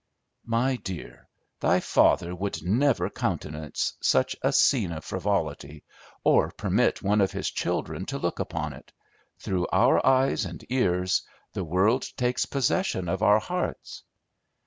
"My dear, thy father would never countenance such a scene of frivolity, or permit one of his children to look upon it; through our eyes and ears the world takes possession of our hearts."